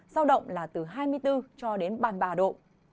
giao động là từ hai mươi bốn cho đến ba mươi ba độ